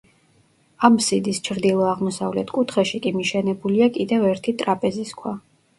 აბსიდის ჩრდილო-აღმოსავლეთ კუთხეში კი მიშენებულია კიდევ ერთი ტრაპეზის ქვა.